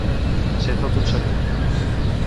Ser tot un senyor.